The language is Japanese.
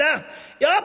よっ！